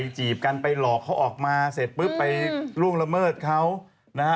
จีบกันไปหลอกเขาออกมาเสร็จปุ๊บไปล่วงละเมิดเขานะฮะ